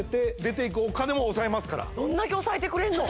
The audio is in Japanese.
どんだけ抑えてくれんの？